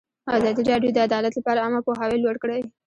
ازادي راډیو د عدالت لپاره عامه پوهاوي لوړ کړی.